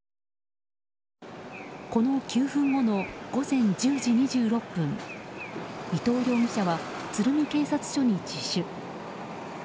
この９分後の午前１０時２６分伊藤容疑者は鶴見警察署に自首。